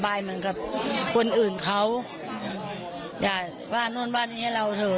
มาถึงตรงนี้น่ะไม่ให้มีไม่ให้บอกอะไร